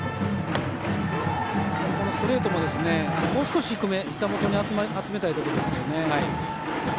このストレートももう少し低め、ひざ元に集めたいところですけどね。